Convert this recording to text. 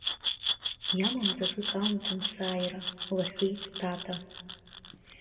Иамам ҵакык аумҭан сааира, – лҳәеит Тата.